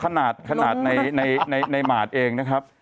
ขนาดขนาดในหมาดเองนะครับ